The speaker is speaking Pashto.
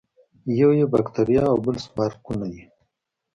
یو یې باکتریا او بل سمارقونه دي.